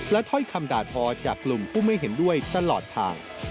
ถ้อยคำด่าทอจากกลุ่มผู้ไม่เห็นด้วยตลอดทาง